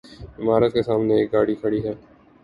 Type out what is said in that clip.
عمارت کے سامنے ایک گاڑی کھڑی ہے